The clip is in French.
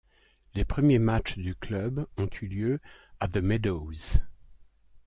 Les premiers matches du club ont eu lieu à The Meadows.